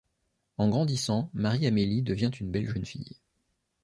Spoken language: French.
En grandissant, Marie-Amélie devient une belle jeune fille.